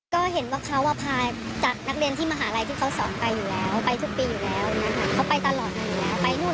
ก็เห็นว่าเขาว่าพาจากนักเรียนที่มหาลัยที่เขาสอนไปอยู่แล้ว